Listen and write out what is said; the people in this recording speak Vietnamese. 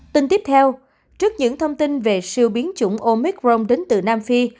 tin tiếp theo trước những thông tin về siêu biến chủng omicrone đến từ nam phi